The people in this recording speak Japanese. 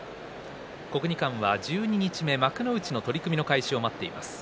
国技館は十二日目、幕内の取組の開始を待っています。